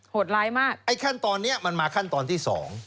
ดร้ายมากไอ้ขั้นตอนนี้มันมาขั้นตอนที่สอง